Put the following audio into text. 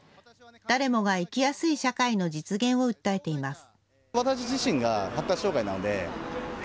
誰もが生きやすい社会の実現を訴えています。